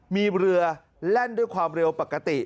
มีเรือแล่นด้วยความเร็วปกติ